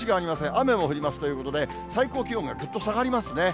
雨も降りますということで、最高気温がぐっと下がりますね。